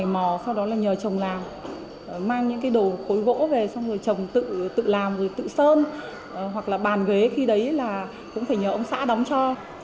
mang những đồ khối gỗ về chồng tự làm tự sơn hoặc là bàn ghế khi đấy cũng phải nhờ ông xã đóng cho